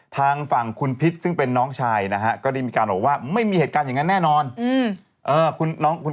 ทางฝั่งคุณพิษซึ่งเป็นน้องชายนะฮะก็ได้มีการบอกว่าไม่มีเหตุการณ์อย่างนั้นแน่นอน